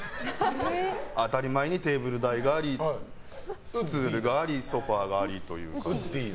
当たり前にテーブル台がありスツールがありソファがありという。